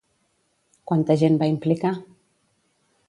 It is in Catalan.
Quanta gent va implicar?